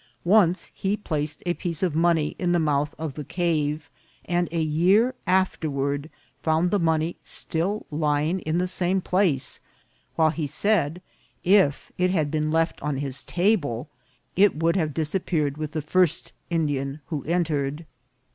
Once he placed a piece of money in the mouth of the cave, and a year afterward found the money still lying in the same place, while, he said, if it had beeh left on his table, it would have dis appeared with the first Indian who entered.